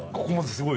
すごい！